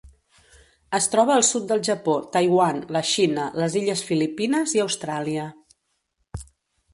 Es troba al sud del Japó, Taiwan, la Xina, les illes Filipines i Austràlia.